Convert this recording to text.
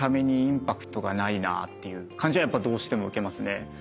ていう感じはやっぱどうしても受けますね。